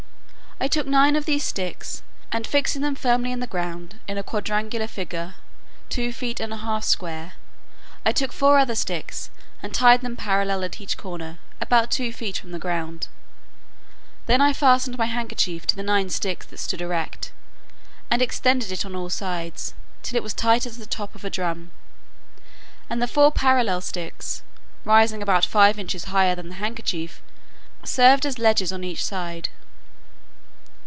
I took nine of these sticks, and fixing them firmly in the ground in a quadrangular figure, two feet and a half square, I took four other sticks, and tied them parallel at each corner, about two feet from the ground; then I fastened my handkerchief to the nine sticks that stood erect; and extended it on all sides, till it was tight as the top of a drum; and the four parallel sticks, rising about five inches higher than the handkerchief, served as ledges on each side.